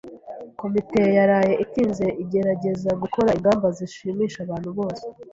Komite yaraye itinze igerageza gukora ingamba zishimisha abantu bose.